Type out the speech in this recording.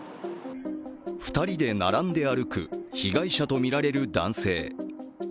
２人で並んで歩く被害者とみられる男性。